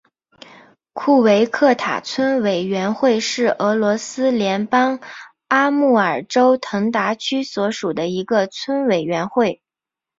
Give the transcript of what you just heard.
库维克塔村委员会是俄罗斯联邦阿穆尔州腾达区所属的一个村委员会。